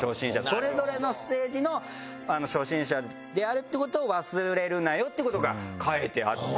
それぞれのステージの初心者であるって事を忘れるなよって事が書いてあって。